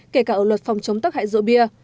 kể cả ở luật phòng chống tắc hại rượu bia